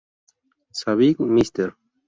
Saving Mr.